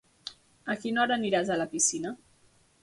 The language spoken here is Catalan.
A quina hora aniràs a la piscina?